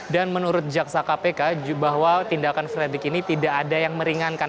dan menurut jaksa kpk bahwa tindakan fredri ini tidak ada yang meringankan